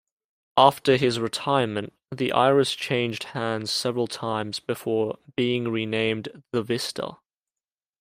After his retirement, the Iris changed hands several times before being renamed the Vista.